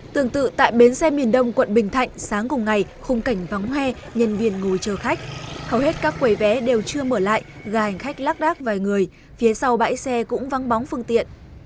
tương tự tại bến xe miền đông quận bình thạnh sáng cùng ngày khung cảnh vắng hoe nhân viên ngồi chờ khách hầu hết các quầy vé đều chưa mở lại gà hành khách lác đác vài người phía sau bãi xe cũng vắng bóng phương tiện